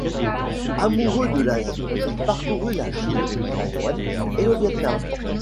Amoureux de l’Asie, il parcourt la Chine, Taïwan, le Vietnam.